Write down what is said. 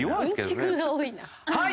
はい！